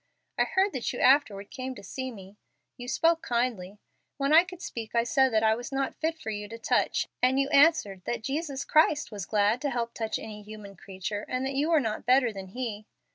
I heard that you afterward came to see me. You spoke kindly. When I could speak I said that I was not fit for you to touch, and you answered that Jesus Christ was glad to help touch any human creature, and that you were not better than He!